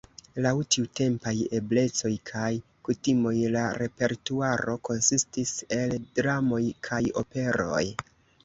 Laŭ tiutempaj eblecoj kaj kutimoj la repertuaro konsistis el dramoj kaj operoj.